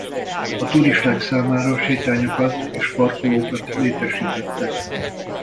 A turisták számára sétányokat és parkolókat létesítettek.